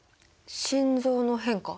心臓の変化？